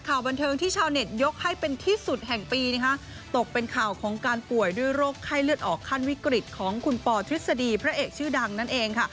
ข่าวบันเทิงที่ชาวเน็ตยกให้เป็นที่สุดแห่งปีนะคะตกเป็นข่าวของการป่วยด้วยโรคไข้เลือดออกขั้นวิกฤตของคุณปอทฤษฎีพระเอกชื่อดังนั่นเองค่ะ